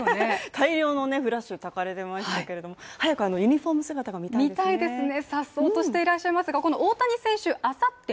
大量のフラッシュがたかれていましたけれども早くユニフォーム姿が見たいですね。